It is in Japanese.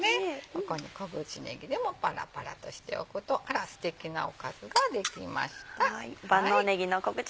ここに小口ねぎでもパラパラとしておくとあらステキなおかずができました。